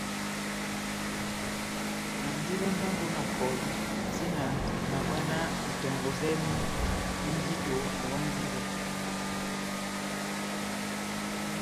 Andi londango na kɔlu tian nahábwanáh itɔngɔ vɛ́mu vi ndito awandi iwɔ.